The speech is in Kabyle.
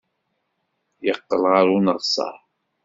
Yeqqel ɣer uneɣsar.